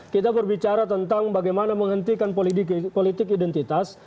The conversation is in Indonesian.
kita berbicara tentang bagaimana menghentikan politik identitas